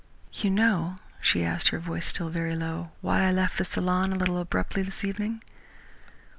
"You know," she asked, her voice still very low, "why I left the saloon a little abruptly this evening?"